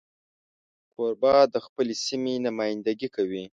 کوربه د خپلې سیمې نمایندګي کوي.